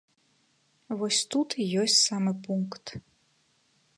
Вось тут і ёсць самы пункт.